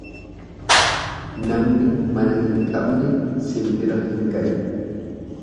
Namni mana hin qabne sinbira hin gayu.